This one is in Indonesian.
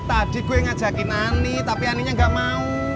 tadi gue ngajakin ani tapi aninya gak mau